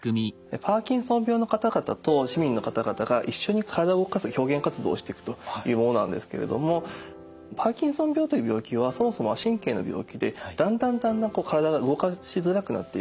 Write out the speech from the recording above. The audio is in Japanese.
パーキンソン病の方々と市民の方々が一緒に体を動かす表現活動をしていくというものなんですけれどもパーキンソン病という病気はそもそも神経の病気でだんだんだんだん体が動かしづらくなっていくという病気なんですね。